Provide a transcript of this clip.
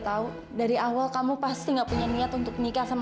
bagaimanaijkamu berpikir losil itu sama